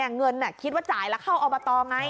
เงินคิดว่าจ่ายแล้วเข้าอบตไง